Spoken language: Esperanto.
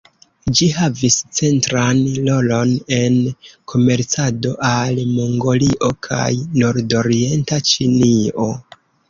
Ĝi havis centran rolon en komercado al Mongolio kaj Nordorienta Ĉinio.